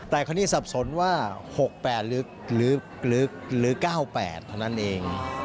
แต่คราวนี้สับสนว่า๖๘ลึกหรือ๙๘เท่านั้นเอง